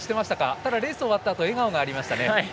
ただレースが終わったあと笑顔がありましたね。